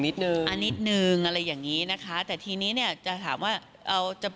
นิดนึงนิดนึงอะไรอย่างนี้นะคะแต่ทีนี้เนี่ยจะถามว่าเอาจะ